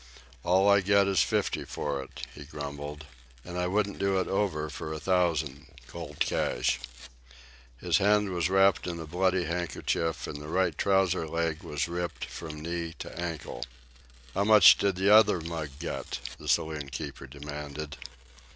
"All I get is fifty for it," he grumbled; "an' I wouldn't do it over for a thousand, cold cash." His hand was wrapped in a bloody handkerchief, and the right trouser leg was ripped from knee to ankle. "How much did the other mug get?" the saloon keeper demanded.